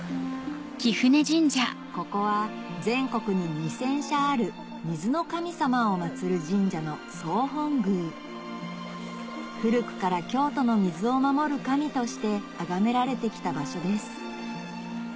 ここは全国に２０００社ある水の神様を祭る神社の総本宮古くから京都の水を守る神として崇められて来た場所です